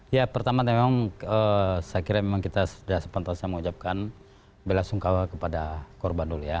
ya pertama memang saya kira kita sudah sepantasnya mengucapkan belasungkawa kepada korban dulu ya